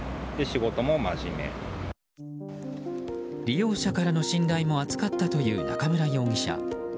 利用者からの信頼も厚かったという中村容疑者。